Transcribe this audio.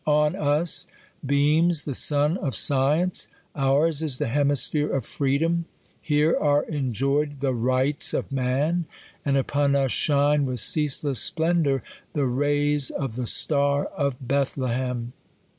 On us beam,s the sun of Science : ours is the hemisphere of Freedom : here are enjoyed THE RIGHTS OF MAN ; and upon us shine, with ceaseless splendour, the rays of the STAR OF BETHLEHEM.